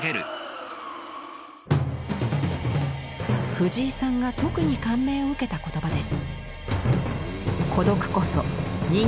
藤井さんが特に感銘を受けた言葉です。